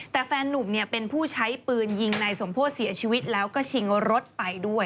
แต่แฟนหนุ่มเป็นผู้ใช้ปืนยิงในสมโพธิเสียชีวิตและก็ชิงรถไป